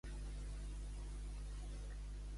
Fer un erro.